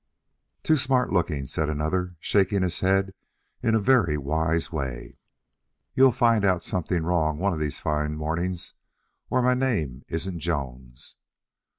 "Too smart looking," said another, shaking his head in a very wise way; "you'll find out something wrong one of these fine mornings, or my name isn't Jones."